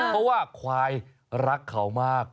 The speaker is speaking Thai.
เพราะว่าควายรักเขามาก